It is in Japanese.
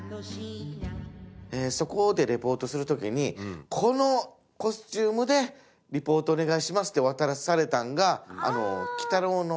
そこでリポートする時にこのコスチュームでリポートお願いしますって渡されたんがあの。